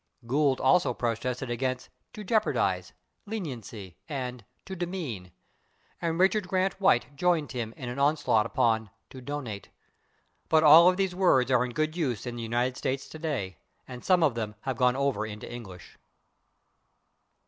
" Gould also protested against /to jeopardize/, /leniency/ and /to demean/, and Richard Grant White joined him in an onslaught upon /to donate/. But all of these words are in good use in the United States today, and some of them have gone over into English.